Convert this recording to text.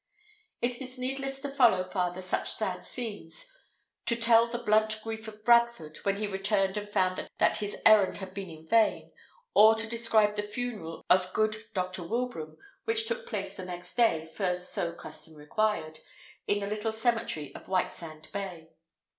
It is needless to follow farther such sad scenes; to tell the blunt grief of Bradford, when he returned and found that his errand had been in vain; or to describe the funeral of good Dr. Wilbraham, which took place the next day (for so custom required) in the little cemetery of Whitesand Bay.